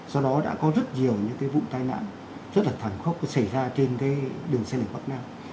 sau đó đã có rất nhiều những cái vụ tai nạn rất là thẳng khốc xảy ra trên cái đường xanh đường bắc nam